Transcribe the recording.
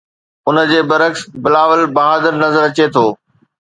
ان جي برعڪس بلاول بهادر نظر اچي ٿو.